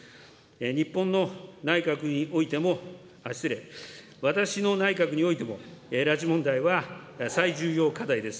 日本の内閣においても、失礼、私の内閣においても、拉致問題は最重要課題です。